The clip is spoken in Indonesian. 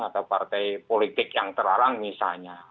atau partai politik yang terlarang misalnya